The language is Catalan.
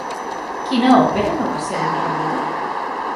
Quina òpera no va ser ben rebuda?